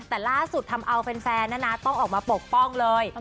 แต่ล่าสุดทำเอาแฟนนะนะต้องออกมาปกป้องเลย